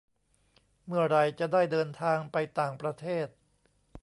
เมื่อไหร่จะได้เดินทางไปต่างประเทศ